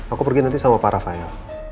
aku pergi nanti sama pak rafael